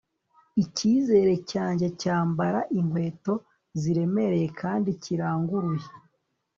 icyizere cyanjye cyambara inkweto ziremereye kandi kiranguruye